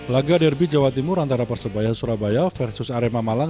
laga derby jawa timur antara persebaya surabaya versus arema malang